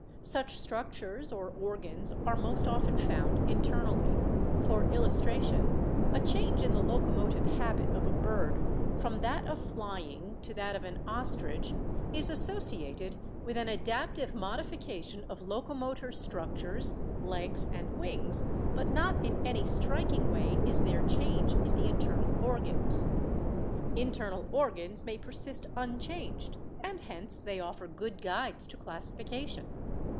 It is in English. Such structures or organs are most often found internally. For illustration : a change in the locomotive habit of a bird from that of flying to that of an ostrich is associated with an adaptive modification of loco motor structures, legs and wings, but not in any striking way is there change in the internal organs. Internal organs may persist unchanged and hence they offer good guides to classification.